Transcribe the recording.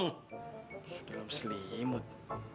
musuh dalam selimut